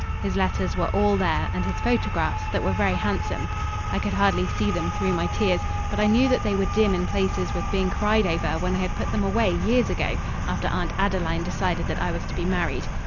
His letters were all there, and his photographs, that were very handsome. I could hardly see them through my tears, but I knew that they were dim in places with being cried over when I had put them away years ago after Aunt Adeline decided that I was to be married.